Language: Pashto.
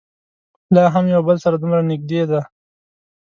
لا هم یو بل سره دومره نږدې دي.